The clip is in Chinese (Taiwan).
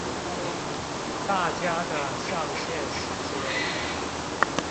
大家的上線時間